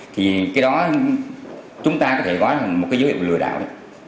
thì cái đó chúng ta có thể gói một cái dấu hiệu lừa đảo